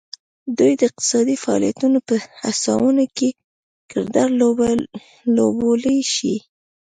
دوی د اقتصادي فعالیتونو په هڅونه کې کردار لوبولی شي